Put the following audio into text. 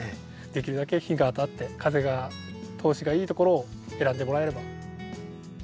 できるだけ日が当たって風が通しがいいところを選んでもらえれば。